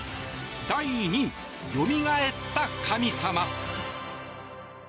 第２位、よみがえった神様。